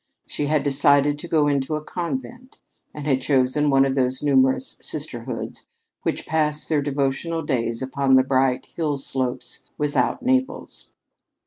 She had decided to go into a convent, and had chosen one of those numerous sisterhoods which pass their devotional days upon the bright hill slopes without Naples.